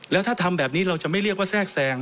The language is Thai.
แล้วถ้าทำแบบนี้เราจะไม่เรียกว่าแทรกแทรง